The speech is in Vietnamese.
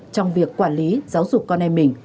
trong việc quản lý giáo dục con em mình